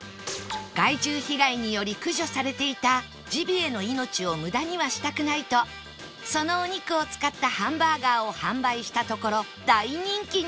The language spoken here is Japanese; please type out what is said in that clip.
害獣被害により駆除されていたジビエの命を無駄にはしたくないとそのお肉を使ったハンバーガーを販売したところ大人気に